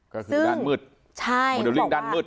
ก็คือด้านมืดโมเดลลิ่งด้านมืด